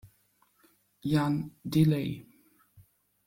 Jan Delay".